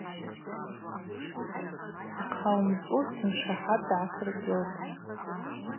Йхъауымцӏузтын – шахӏат дгӏасыргылпӏ.